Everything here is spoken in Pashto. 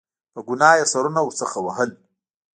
په ګناه یې سرونه ورڅخه وهل.